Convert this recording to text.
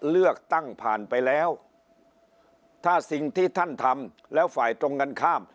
เลือกตั้งผ่านไปแล้วถ้าสิ่งที่ท่านทำแล้วฝ่ายตรงกันข้าม